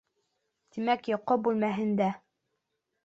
Тимәк, йоҡо бүлмәһендә!